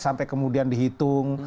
sampai kemudian dihitung